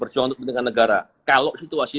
bercontak dengan negara kalau situasi ini